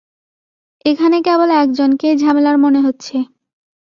এখানে কেবল একজনকেই ঝামেলার মনে হচ্ছে।